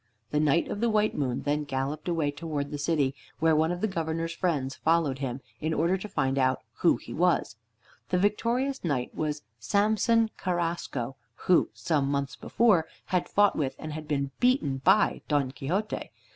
The Knight of the White Moon then galloped away toward the city, where one of the Governor's friends followed him, in order to find out who he was. The victorious knight was Samson Carrasco, who, some months before, had fought with and had been beaten by Don Quixote.